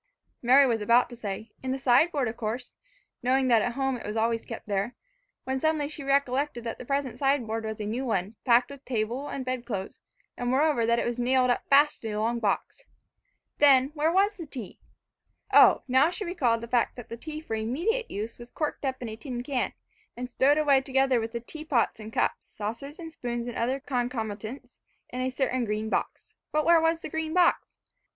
Mary was about to say, "In the sideboard of course," knowing that at home it was always kept there, when suddenly she recollected that the present sideboard was a new one, packed with table and bed clothes, and moreover that it was nailed up fast in a long box. Then, where was the tea? O, now she recalled the fact that the tea for immediate use was corked up in a tin can and stowed away together with the teapot and cups, saucers, spoons and other concomitants, in a certain green box. But where was the green box?